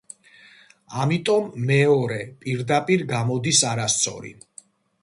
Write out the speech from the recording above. ამიტომ მეორე პირდაპირ გამოდის არასწორი.